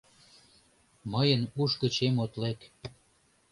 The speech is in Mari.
Мыйын уш гычем от лек.